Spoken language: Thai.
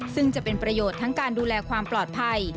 ซึ่งจะเป็นประโยชน์ทั้งการดูแลความปลอดภัย